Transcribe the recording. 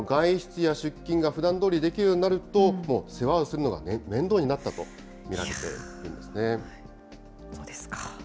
外出や出勤がふだんどおりできるようになると、もう世話をするのが面倒になったと見られているんいやー、そうですか。